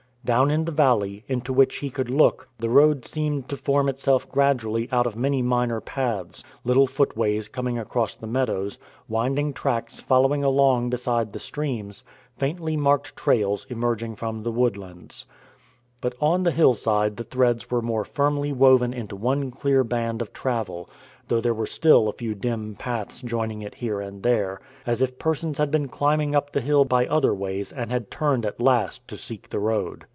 Down in the valley, into which he could look, the road seemed to form itself gradually out of many minor paths; little footways coming across the meadows, winding tracks following along beside the streams, faintly marked trails emerging from the woodlands. But on the hillside the threads were more firmly woven into one clear band of travel, though there were still a few dim paths joining it here and there, as if persons had been climbing up the hill by other ways and had turned at last to seek the road.